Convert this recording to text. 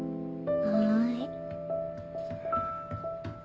はい。